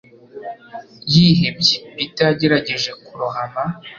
Yihebye, Peter yagerageje kurohama